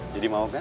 jadi mau kan